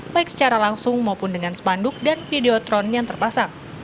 baik secara langsung maupun dengan spanduk dan videotron yang terpasang